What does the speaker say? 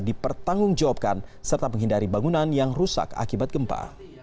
dipertanggungjawabkan serta menghindari bangunan yang rusak akibat gempa